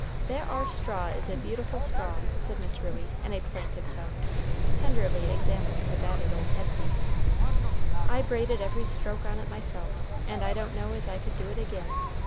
"That ar straw is a beautiful straw!" said Miss Ruey, in a plaintive tone, tenderly examining the battered old head piece, "I braided every stroke on it myself, and I don't know as I could do it ag'in.